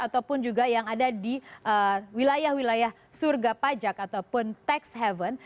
ataupun juga yang ada di wilayah wilayah surga pajak ataupun tax haven